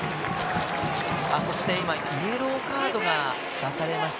そして、今イエローカードが出されました。